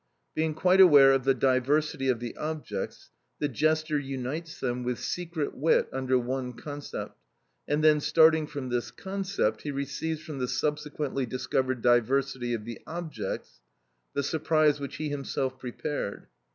Being quite aware of the diversity of the objects, the jester unites them, with secret wit, under one concept, and then starting from this concept he receives from the subsequently discovered diversity of the objects the surprise which he himself prepared.